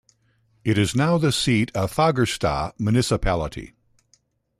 It is now the seat of Fagersta Municipality.